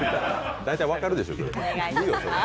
大体分かるでしょう。